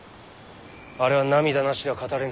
あれは涙なしでは語れぬ。